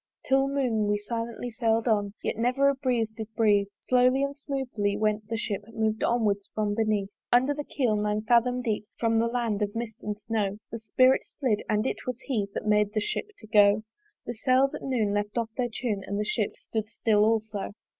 Till noon we silently sail'd on Yet never a breeze did breathe: Slowly and smoothly went the ship Mov'd onward from beneath. Under the keel nine fathom deep From the land of mist and snow The spirit slid: and it was He That made the Ship to go. The sails at noon left off their tune And the Ship stood still also.